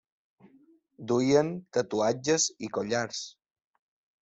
Duien tatuatges i collars.